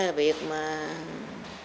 vì cái việc cái việc mà họ đã làm là bất kì tốt